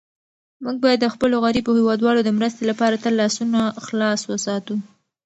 موږ باید د خپلو غریبو هېوادوالو د مرستې لپاره تل لاسونه خلاص وساتو.